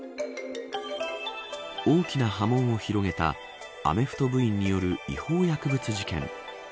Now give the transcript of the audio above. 大きな波紋を広げたアメフト部員による違法薬物事件。